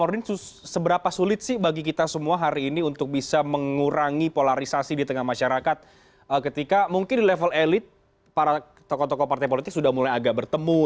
ordin seberapa sulit sih bagi kita semua hari ini untuk bisa mengurangi polarisasi di tengah masyarakat ketika mungkin di level elit para tokoh tokoh partai politik sudah mulai agak bertemu